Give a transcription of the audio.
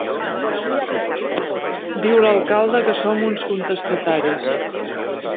Diu l'alcalde que som uns contestataris.